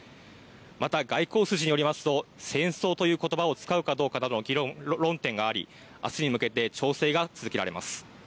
また、外交筋によりますと戦争という言葉を使うかどうかなどの論点があり、明日に向けて調整が続けられます。